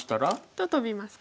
とトビます。